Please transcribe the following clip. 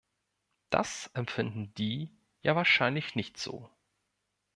Das empfinden die ja wahrscheinlich nicht so!